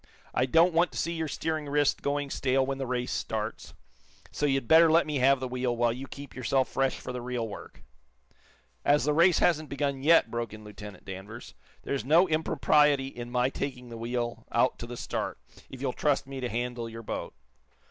I don't want to see your steering wrist going stale when the race starts, so you'd better let me have the wheel, while you keep yourself fresh for the real work." "As the race hasn't begun yet," broke in Lieutenant Danvers, "there is no impropriety in my taking the wheel out to the start, if you'll trust me to handle your boat."